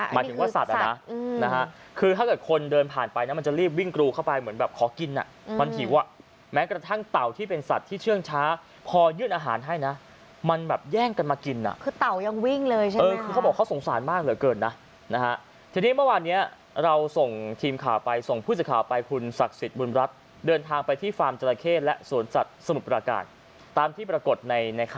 หมายถึงว่าสัตว์นะคือถ้าเกิดคนเดินผ่านไปมันจะรีบวิ่งกรูเข้าไปเหมือนแบบขอกิน